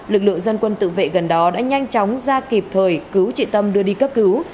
lực lượng dân quân tự vệ gần đó đã nhanh chóng ra kịp thời cứu chị tâm đưa đi cấp cứu